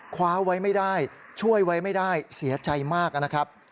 คว้าไว้ไม่ได้ช่วยไว้ไม่ได้เสียใจมากนะครับ